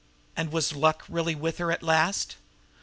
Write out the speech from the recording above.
And was luck really with her at last?